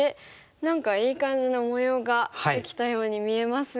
何かいい感じの模様ができたように見えますが。